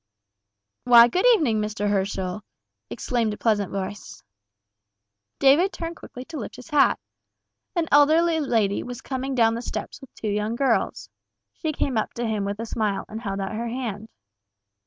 "Why, good evening, Mr. Herschel," exclaimed a pleasant voice. David turned quickly to lift his hat. An elderly lady was coming down the steps with two young girls. She came up to him with a smile, and held out her hand.